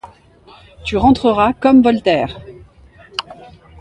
Tu rentreras comme Voltaire